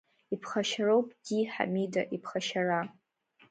Иԥхашьароуп, ди, Ҳамида, иԥхашьара!